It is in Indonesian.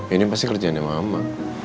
ini pasti kerjaan mama